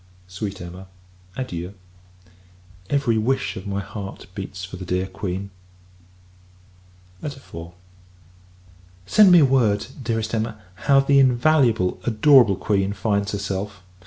Sweet Emma adieu! Every wish of my heart beats for the dear Queen. IV. Send me word, Dearest Emma! how the invaluable, adorable Queen, finds herself.